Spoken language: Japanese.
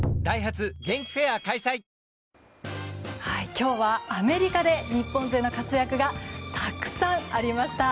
今日はアメリカで日本勢の活躍がたくさんありました。